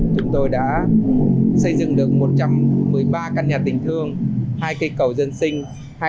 chúng tôi đã xây dựng được một trăm một mươi ba căn nhà tình thương hai cây cầu dân sinh